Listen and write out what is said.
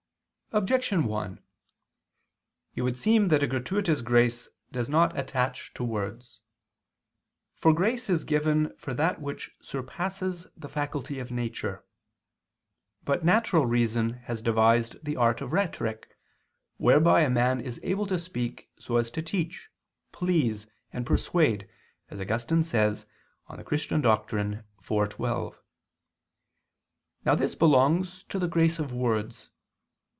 Objection 1: It would seem that a gratuitous grace does not attach to words. For grace is given for that which surpasses the faculty of nature. But natural reason has devised the art of rhetoric whereby a man is able to speak so as to teach, please, and persuade, as Augustine says (De Doctr. Christ. iv, 12). Now this belongs to the grace of words.